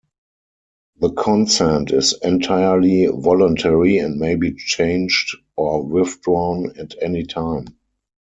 The consent is entirely voluntary and may be changed or withdrawn at any time.